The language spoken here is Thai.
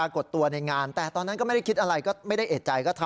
ไม่เคยเห็นหน้าเลยเออเมียบอกว่าอ๋อญาติกัน